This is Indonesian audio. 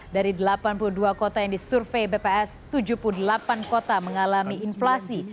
dari delapan puluh dua kota yang disurvey bps tujuh puluh delapan kota mengalami inflasi